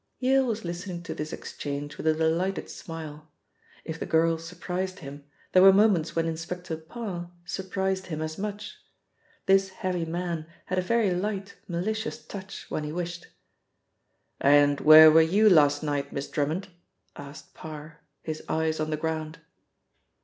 Yale was listening to this exchange with a delighted smile. If the girl surprised him, there were moments when Inspector Parr surprised him as much. This heavy man had a very light malicious touch when he wished. "And where were you last night. Miss Drummond?" asked Parr, his eyes on the ground.